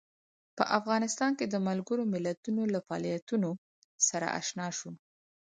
په افغانستان کې د ملګرو ملتونو له فعالیتونو سره آشنا شو.